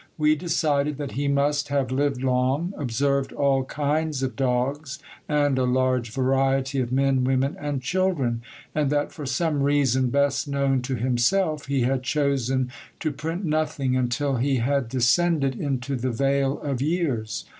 We decided that he must have lived long, observed all kinds of dogs, and a large variety of men, women, and children; and that for some reason best known to himself he had chosen to print nothing until he had descended into the vale of years.